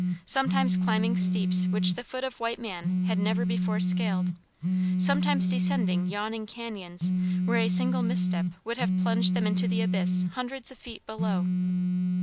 Sometimes climbing steeps which the foot of white man had never before scaled, sometimes descending yawning cañons, where a single misstep would have plunged them into the abyss hundreds of feet below.